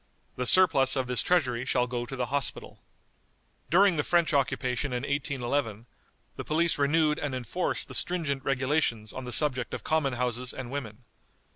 The surplus of this treasury shall go to the Hospital." During the French occupation in 1811, the police renewed and enforced the stringent regulations on the subject of common houses and women.